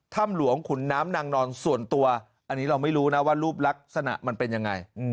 ถ้ำหลวงขุนน้ำนางนอนส่วนตัวอันนี้เราไม่รู้นะว่ารูปลักษณะมันเป็นยังไง